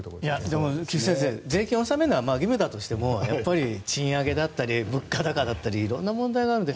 でも、菊地先生税金を納めるのは義務だとしても賃上げだったり物価高だったりいろんな問題があって。